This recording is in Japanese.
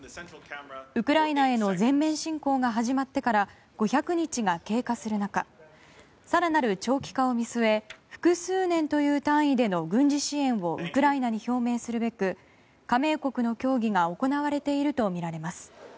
ウクライナへの全面侵攻が始まってから５００日が経過する中更なる長期化を見据え複数年という単位での軍事支援をウクライナに表明するべく、加盟国の協議が行われているとみられます。